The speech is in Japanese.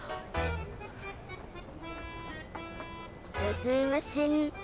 すいません。